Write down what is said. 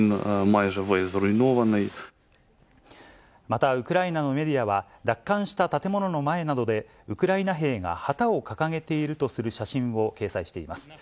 また、ウクライナのメディアは、奪還した建物の前などで、ウクライナ兵が旗を掲げているとする写真を掲載しています。